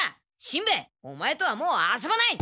しんべヱオマエとはもう遊ばない！